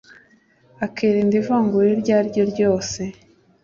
akirinda ivangura iryo ari ryo ryose